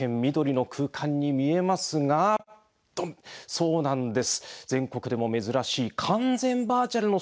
そうなんです。